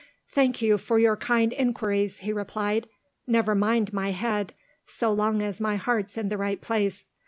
"Thank you for your kind inquiries," he replied. "Never mind my head, so long as my heart's in the right place.